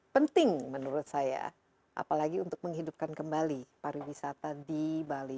penting menurut saya apalagi untuk menghidupkan kembali pariwisata di bali